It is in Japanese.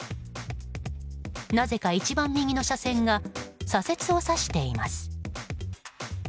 なぜか一番右の車線が左折を指しています。